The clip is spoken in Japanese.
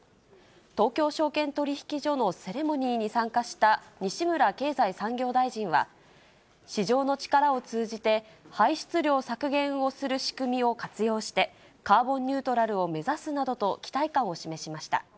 東京証券取引所のセレモニーに参加した西村経済産業大臣は、市場の力を通じて、排出量削減をする仕組みを活用して、カーボンニュートラルを目指すなどと期待感を示しました。